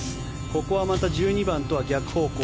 ここはまた１２番とは逆方向。